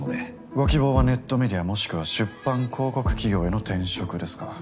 ご希望はネットメディアもしくは出版広告企業への転職ですか。